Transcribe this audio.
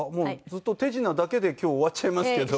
ずっと手品だけで今日終わっちゃいますけど。